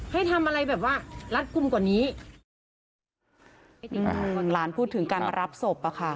ให้ทำอะไรแบบว่ารัดกลุ่มกว่านี้หลานพูดถึงการมารับศพอ่ะค่ะ